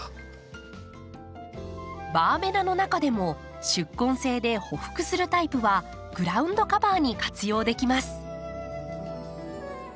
バーベナの中でも宿根性でほふくするタイプはグラウンドカバーに活用できます。